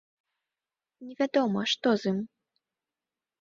Невядома, што з ім.